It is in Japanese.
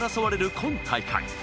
今大会。